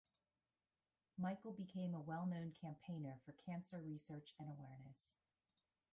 Michael became a well-known campaigner for cancer research and awareness.